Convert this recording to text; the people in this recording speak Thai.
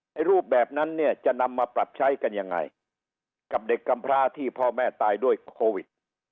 รูปแบบนั้นเนี่ยจะนำมาปรับใช้กันยังไงกับเด็กกำพร้าที่พ่อแม่ตายด้วยโควิด